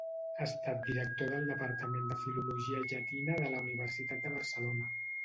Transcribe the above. Ha estat director del departament de filologia llatina de la Universitat de Barcelona.